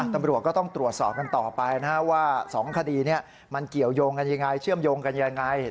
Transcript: ตำรวจก็ต้องตรวจสอบกันต่อไปว่า๒คดีนี้มันเกี่ยวยงกันยังไงเชื่อมโยงกันยังไง